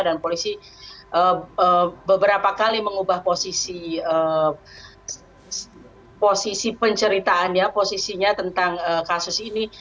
dan polisi beberapa kali mengubah posisi penceritaannya posisinya tentang kasus ini